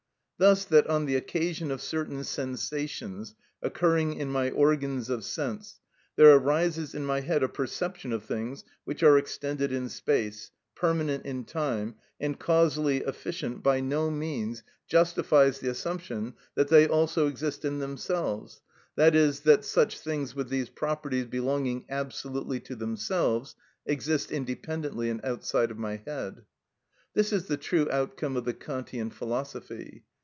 Thus that on the occasion of certain sensations occurring in my organs of sense there arises in my head a perception of things which are extended in space, permanent in time, and causally efficient by no means justifies the assumption that they also exist in themselves, i.e., that such things with these properties belonging absolutely to themselves exist independently and outside of my head. This is the true outcome of the Kantian philosophy.